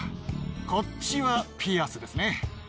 こっちはピアスですね。